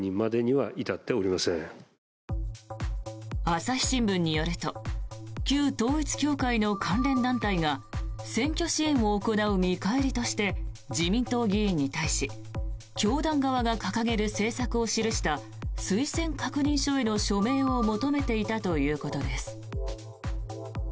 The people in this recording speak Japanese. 朝日新聞によると旧統一教会の関連団体が選挙支援を行う見返りとして自民党議員に対し教団側が掲げる政策を記した推薦確認書への署名を求めていたということです。